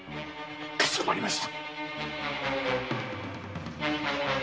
かしこまりました！